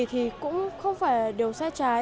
thì cũng không phải điều sai trái